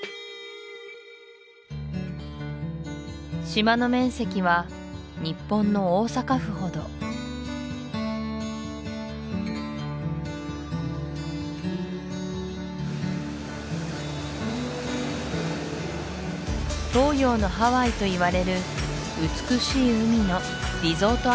島の面積は日本の大阪府ほど東洋のハワイといわれる美しい海のリゾート